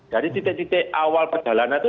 dari titik titik awal perjalanan itu